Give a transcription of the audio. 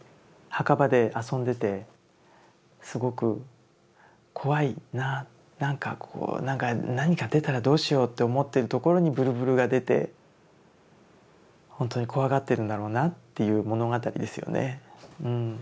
墓場で遊んでてすごく怖いななんかこう何か出たらどうしようって思ってるところに震々が出て本当に怖がってるんだろうなっていう物語ですよね。